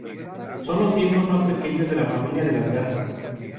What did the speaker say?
Son los miembros más pequeños de la familia de las garzas.